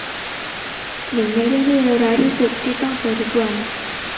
หนึ่งในเรื่องที่เลวร้ายที่สุดที่ต้องเจอทุกวัน